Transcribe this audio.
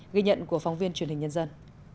ghi nhận của phóng viên truyền hình nhân dân